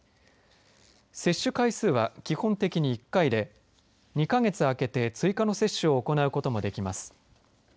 接種回数は基本的に１回で２か月空けて追加の接種を行うこともできます。